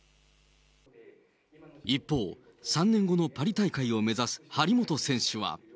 一方、３年後のパリ大会を目指す張本選手は。